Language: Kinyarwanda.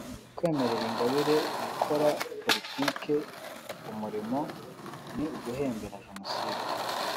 Kwemerera Ingabire gukora politike umurimo ni uguhembera Jenoside